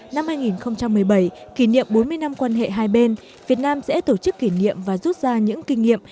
năm hai nghìn một mươi bảy kỷ niệm bốn mươi năm quan hệ hai bên việt nam sẽ tổ chức kỷ niệm và rút ra những kinh nghiệm